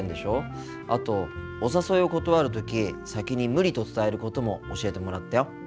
あとお誘いを断る時先に「無理」と伝えることも教えてもらったよ。